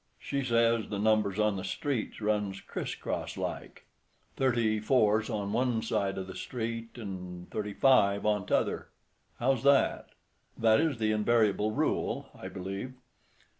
"She says the numbers on the streets runs criss cross like. Thirty four's on one side o' the street an' thirty five on t'other. How's that?" "That is the invariable rule, I believe."